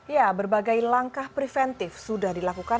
ya berbagai langkah preventif sudah dilakukan